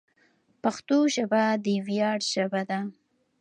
پښتو ژبه د ویاړ ژبه ده.